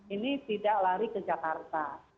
ini tidak lari ke jakarta